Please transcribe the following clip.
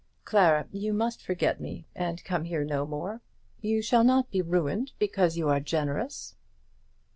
Clara, you must forget me, and come here no more. You shall not be ruined because you are generous."